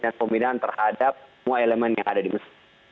dan juga pembinaan terhadap semua elemen yang ada di masjid